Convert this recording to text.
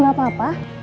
ibu gak apa apa